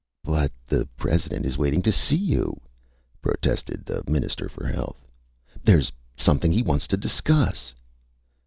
"But the President is waiting to see you!" protested the Minister for Health. "There's something he wants to discuss!"